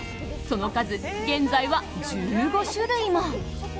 その数、現在は１５種類も。